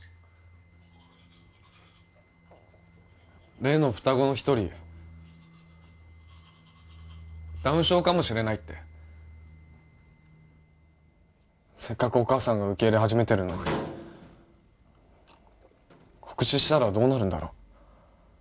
例の双子の一人ダウン症かもしれないってせっかくお母さんが受け入れ始めてるのに告知したらどうなるんだろう